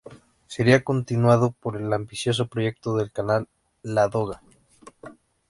Sería continuado por el ambicioso proyecto del canal Ladoga.